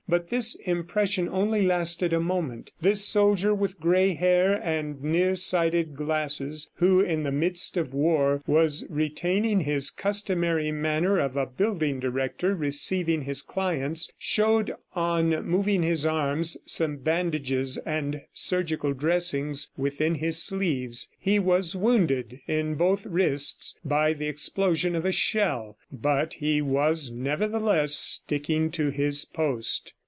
But this impression only lasted a moment. This soldier with gray hair and near sighted glasses who, in the midst of war, was retaining his customary manner of a building director receiving his clients, showed on moving his arms, some bandages and surgical dressings within his sleeves, He was wounded in both wrists by the explosion of a shell, but he was, nevertheless, sticking to his post.